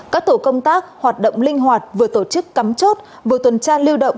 các tổ công tác hoạt động linh hoạt vừa tổ chức cắm chốt vừa tuần tra lưu động